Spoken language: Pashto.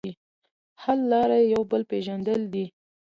حل لاره یو بل پېژندل دي.